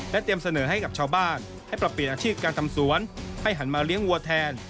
เตรียมเสนอให้กับชาวบ้านให้ปรับเปลี่ยนอาชีพการทำสวนให้หันมาเลี้ยงวัวแทน